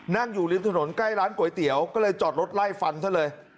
อยู่ริมถนนใกล้ร้านก๋วยเตี๋ยวก็เลยจอดรถไล่ฟันซะเลย